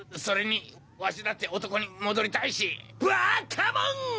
それにわしだって男に戻りたいしぶわっかもん！